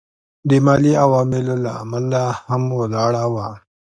د مالي عواملو له امله هم ولاړه وه.